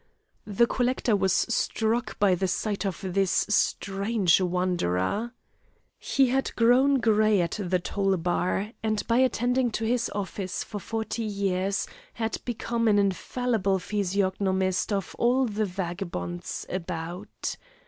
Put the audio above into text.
The collector was struck by the sight of this strange wanderer. He had grown grey at the toll bar, and by attending to his office for forty years had become an infallible physiognomist of all the vagabonds about.